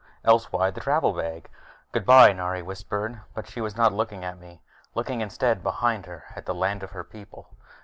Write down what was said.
Else why the travel bag? "Goodbye," Nari whispered, but she was not looking at me. Looking, instead, behind her, at the land of her people.